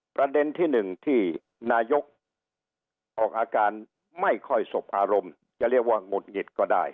ประเด็นที่หนึ่งที่นายกออกอาการไม่ค่อยสบอารมณ์จะเรียกว่าหงุดหงิดก็ได้